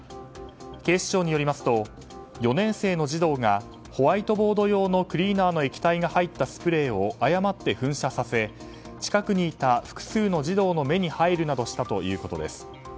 警視庁によりますと４年生の児童がホワイトボード用のクリーナーの液体が入ったスプレーを誤って噴射させ近くにいた複数の児童の目に入るなどしたということです。